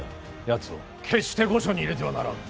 やつを決して御所に入れてはならん。